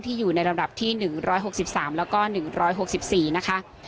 อยู่ในระดับที่๑๖๓แล้วก็๑๖๔นะคะ